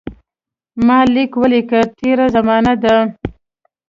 ما لیک ولیکه تېره زمانه ده.